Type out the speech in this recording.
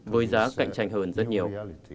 với giá cạnh tranh hơn rất nhiều